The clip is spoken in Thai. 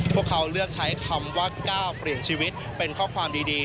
พวกเขาเลือกใช้คำว่าก้าวเปลี่ยนชีวิตเป็นข้อความดี